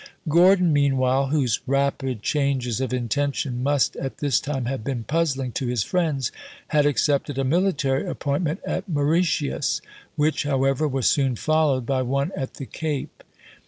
Gordon, meanwhile, whose rapid changes of intention must at this time have been puzzling to his friends, had accepted a military appointment at Mauritius, which, however, was soon followed by one at the Cape.